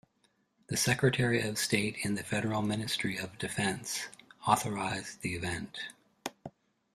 The Secretary of State in the Federal Ministry of Defence, authorized the event.